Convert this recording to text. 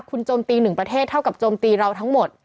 คุณโจมตีหนึ่งประเทศเท่ากับโจมตีเราทั้งหมด